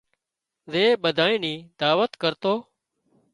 زي ٻڌانئي ني دعوت ڪرتون